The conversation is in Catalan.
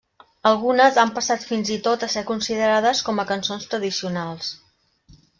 Algunes han passat fins i tot a ser considerades com a cançons tradicionals.